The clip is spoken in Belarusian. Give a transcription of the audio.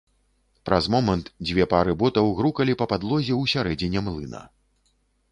Праз момант дзве пары ботаў грукалі па падлозе ў сярэдзіне млына.